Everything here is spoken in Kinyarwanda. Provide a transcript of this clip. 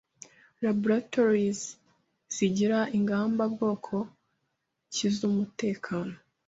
Laboratoires zigira ingamba bwoko ki z'umutekano